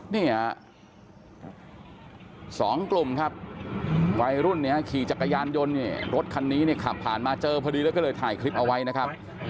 เนี่ย๒กลุ่มครับวัยรุ่นเนี่ยขี่จักรยานยนต์เนี่ยรถคันนี้เนี่ยขับผ่านมาเจอพอดีแล้วก็เลยถ่ายคลิปเอาไว้นะครับ